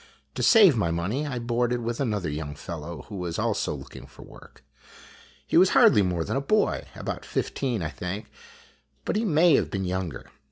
To save my money, I boarded with another young fellow who was also looking for work. He was hardly more than a boy, about fifteen, I think, but he may have been younger.